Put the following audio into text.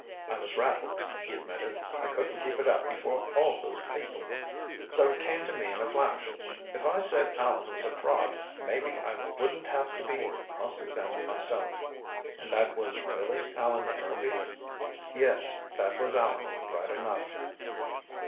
"I was rattled," he admitted. "I couldn't keep it up before all those people. So it came to me in a flash if I said Allan was a fraud maybe I wouldn't have to be cross examined myself." "And that was really Allan Harrowby?" "Yes that was Allan, right enough."